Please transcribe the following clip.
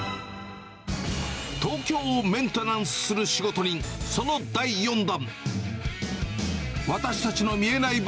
東京をメンテナンスする仕事人、その第４弾。